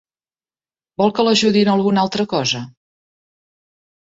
Vol que l'ajudi en alguna altra cosa?